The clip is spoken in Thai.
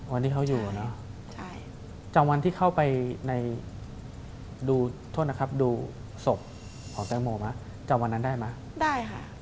วันนี้เค้าอยู่ใช่มะเนอะจำวันนที่เค้าไปดูศพของแตงโมจำวันนั้นได้มะนะใช่ค่ะ